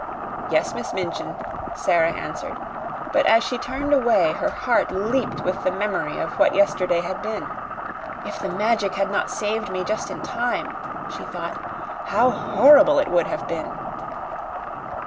"Yes, Miss Minchin," Sara answered; but as she turned away her heart leaped with the memory of what yesterday had been. "If the Magic had not saved me just in time," she thought, "how horrible it would have been!"